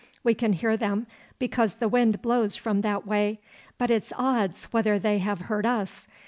'We can hear them because the wind blows from that way, but it's odds whether they have heard us.